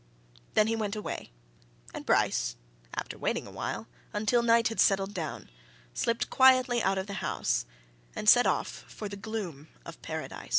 Then he went away, and Bryce, after waiting awhile, until night had settled down, slipped quietly out of the house and set off for the gloom of Paradise.